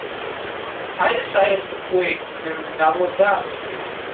I decided to quit and that was that.